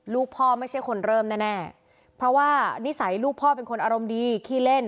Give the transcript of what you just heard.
ลูกพ่อไม่ใช่คนเริ่มแน่เพราะว่านิสัยลูกพ่อเป็นคนอารมณ์ดีขี้เล่น